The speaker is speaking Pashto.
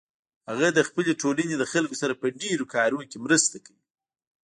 هغه د خپلې ټولنې د خلکو سره په ډیرو کارونو کې مرسته کوي